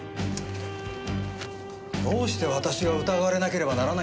どうして私が疑われなければならないんですか？